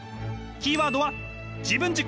キーワードは自分軸！